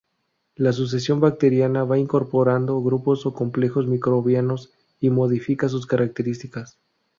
La sucesión bacteriana va incorporando grupos o complejos microbianos y modifica sus características.